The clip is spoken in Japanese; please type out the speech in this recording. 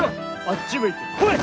あっち向いてホイ！